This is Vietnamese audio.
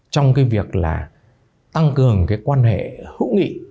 trong việc tăng cường quan hệ hữu nghị